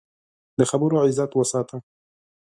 د خبرو عزت وساته